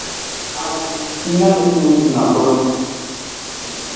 Hin niisaniisatu na karam.